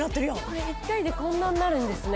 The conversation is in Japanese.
これ１回でこんなんなるんですね